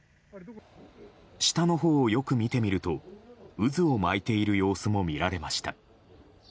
下のほうをよく見てみると渦を巻いている様子も見られました。